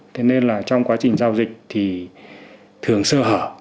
thế nên là trong quá trình giao dịch thì thường sơ hở